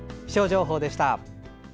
気象情報でした。